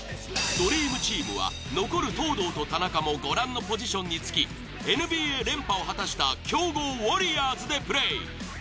ドリームチームは残る東藤と田中もご覧のポジションにつきＮＢＡ連覇を果たした強豪ウォリアーズでプレイ。